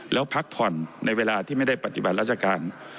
แล้วพักผ่อนในเวลาที่ไม่ได้ปฏิบัติราชการ